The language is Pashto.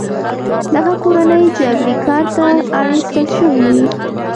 دغه کورنۍ جبري کار ته اړ ایستل شوې وې.